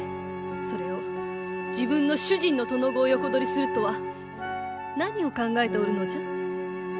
それを自分の主人の殿御を横取りするとは何を考えておるのじゃ？